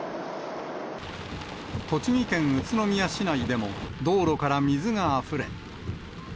栃木県宇都宮市内でも、道路から水があふれ。